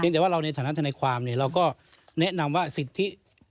แต่ว่าเราในฐานะทนายความเราก็แนะนำว่าสิทธิ